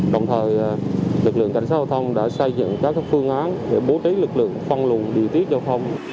đồng thời lực lượng cảnh sát hồ thông đã xây dựng các phương án để bố trí lực lượng phong lùng đi tiết cho không